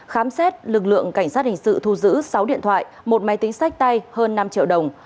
khám xét lực lượng cảnh sát hình sự thu giữ sáu điện thoại một máy tính sách tay hơn năm triệu đồng